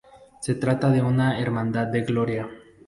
Se trata de una hermandad de gloria.